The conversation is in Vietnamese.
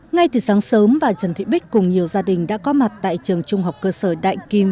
ngay từ sáng sớm bà trần thị bích cùng nhiều gia đình đã có mặt tại trường trung học cơ sở đại kim